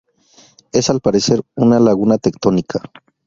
Es al parecer una laguna tectónica.